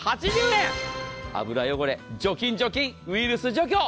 油汚れ、除菌ウイルス、除去